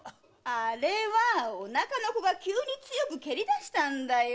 あれはお腹の子が急に強く蹴り出したんだよ。